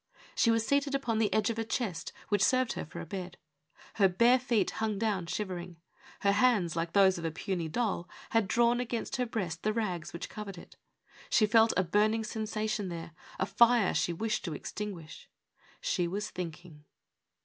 She was seated upon the edge of a chest, which served her for a bed. Her bare feet hung down shivering ; her hands, like those of a puny doll, had drawn against her breast the rags which covered it. She felt a burning sensation there; a fire she wished to extinguish. She was thinking.